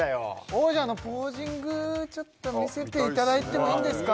王者のポージングちょっと見せていただいてもいいですか？